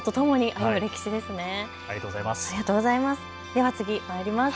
ありがとうございます。